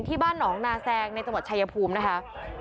ที่บ้านหนองนาแซงในจังหวัดชายภูมินะคะ